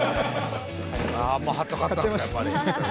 ハット買ったんですかやっぱり。